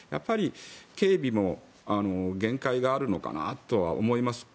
警備も限界があるのかなとは思います。